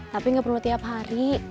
tapi nggak perlu tiap hari